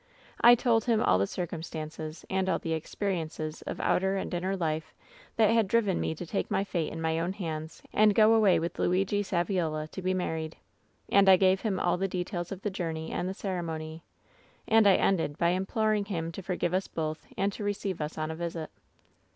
"I told him all the circumstances and all the expe riences of outer and inner life that had driven me to take my fate in my own hands ^nd go away with Luigi Saviola to be married. And I gave him all the details of the journey and the ceremony. And I ended by im ploring him to forgive us both and to receive us on a visit.